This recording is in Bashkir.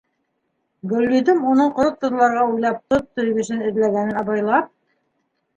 Гөлйөҙөм уның ҡорот тоҙларға уйлап тоҙ төйгөсөн эҙләгәнен абайлап: